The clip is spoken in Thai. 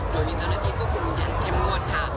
แต่มีเจ้าหน้าที่คุณหมุนอย่างแข็งมรวด